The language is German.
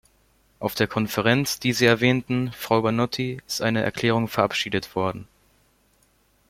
Auf der Konferenz, die Sie erwähnten, Frau Banotti, ist eine Erklärung verabschiedet worden.